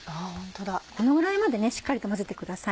このぐらいまでしっかりと混ぜてください。